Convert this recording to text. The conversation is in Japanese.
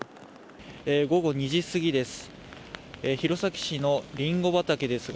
午後２時過ぎです。